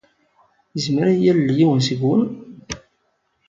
Yezmer ad iyi-yalel yiwen seg-wen?